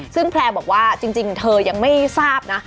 ซึ่งแพลร์บอกว่าจริงเธอยังไม่ทราบนะ